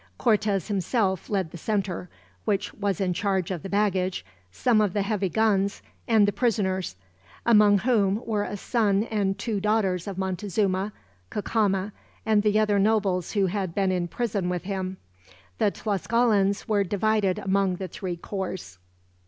Cortez himself led the center, which was in charge of the baggage, some of the heavy guns, and the prisoners; among whom were a son and two daughters of Montezuma, Cacama, and the other nobles who had been in prison with him. The Tlascalans were divided among the three corps.